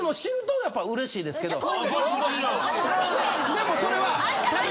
でもそれは。